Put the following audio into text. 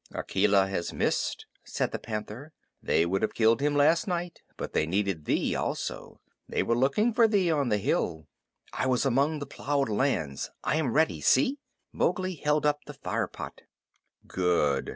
"Akela has missed," said the Panther. "They would have killed him last night, but they needed thee also. They were looking for thee on the hill." "I was among the plowed lands. I am ready. See!" Mowgli held up the fire pot. "Good!